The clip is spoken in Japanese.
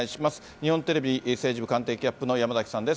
日本テレビ政治部官邸キャップの山崎さんです。